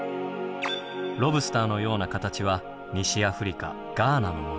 ロブスターのような形は西アフリカガーナのもの。